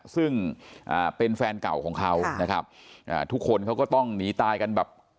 ซึ่งเป็นแฟนเก่าของเขานะครับอ่าทุกคนเขาก็ต้องหนีตายกันแบบ